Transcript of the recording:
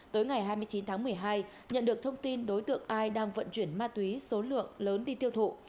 tới ngày hai mươi chín tháng một mươi hai nhận được thông tin đối tượng ai đang vận chuyển ma túy số lượng lớn đi tiêu thụ